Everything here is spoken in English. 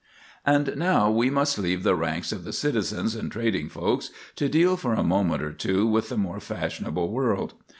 And now we must leave the ranks of the citizens and trading folks to deal for a moment or two with the more fashionable world.